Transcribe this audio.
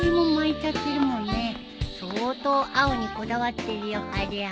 相当青にこだわってるよありゃ。